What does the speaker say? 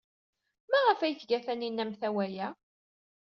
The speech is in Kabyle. Maɣef ay tga Taninna amtawa-a?